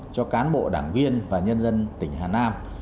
cho cán bộ đảng viên và nhân dân tỉnh hà nam